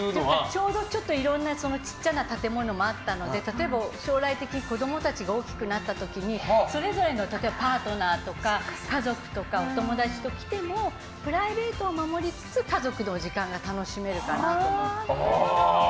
ちょうどいろんな小さな建物もあったので例えば、将来的に子供たちが大きくなった時にそれぞれのパートナーとか家族とかお友達と来てもプライベートを守りつつ家族の時間が楽しめるかなと思って。